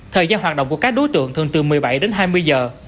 thời gian hoạt động của các đối tượng thường từ một mươi bảy đến hai mươi giờ